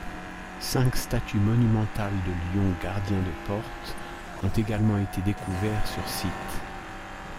Cinq statues monumentales de lions gardiens de porte ont également été découverts sur site.